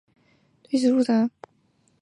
阿马克新闻社表示伊斯兰国对此事负责。